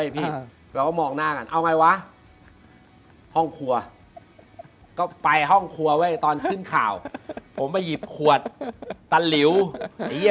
แป้วแหงเต่าแม่งเสีย